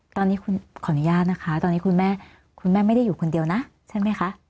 ตอนนี้คุณขออนุญาตนะคะตอนนี้คุณแม่คุณแม่ไม่ได้อยู่คนเดียวนะใช่ไหมคะ